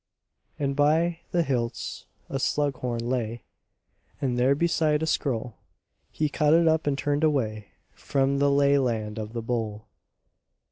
And by the hilts a slug horn lay, And therebeside a scroll, He caught it up and turned away From the lea land of the bowl.